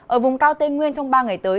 ở vùng cao tây nguyên trong ba ngày tới